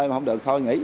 mà không được thôi nghỉ